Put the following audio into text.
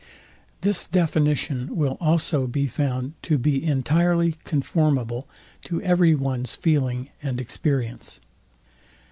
This definition will also be found to be entirely conformable to every one's feeling and experience.